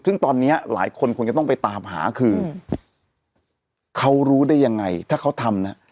ซึ่งตอนนี้หลายคนคงจะต้องไปตามหาคือเขารู้ได้ยังไงถ้าเขาทำนะ